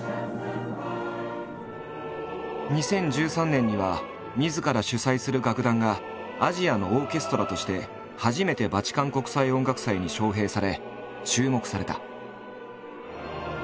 ２０１３年にはみずから主宰する楽団がアジアのオーケストラとして初めてバチカン国際音楽祭に招聘され注目された。